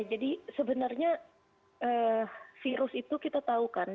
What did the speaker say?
jadi sebenarnya virus itu kita tahu kan